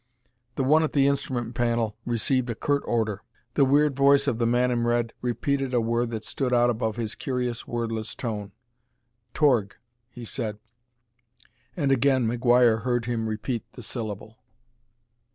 The one at the instrument panel received a curt order: the weird voice of the man in red repeated a word that stood out above his curious, wordless tone. "Torg," he said, and again McGuire heard him repeat the syllable.